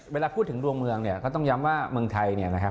เวลาพูดถึงดวงเมืองเนี่ยก็ต้องย้ำว่าเมืองไทยเนี่ยนะครับ